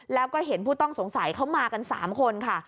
แล้วก็เห็นผู้ต้องสงสัยเขามากัน๓คนค่ะ